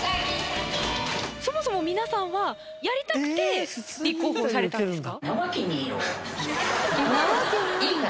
そもそも皆さんはやりたくて立候補されたんですか？